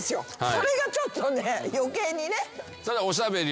それがちょっとね余計にね。